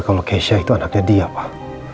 kalau keisha itu anaknya dia pak